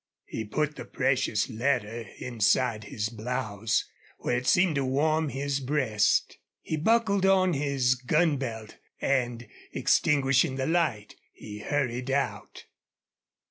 He put the precious letter inside his blouse, where it seemed to warm his breast. He buckled on his gun belt, and, extinguishing the light, he hurried out.